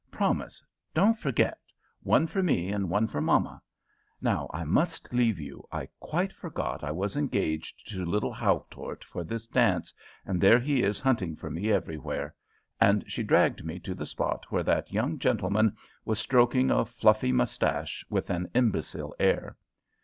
Promise. Don't forget one for me and one for mamma. Now I must leave you; I quite forgot I was engaged to little Haultort for this dance, and there he is hunting for me everywhere," and she dragged me to the spot where that young gentleman was stroking a fluffy mustache, with an imbecile air.